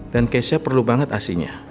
dan keisha perlu banget asinnya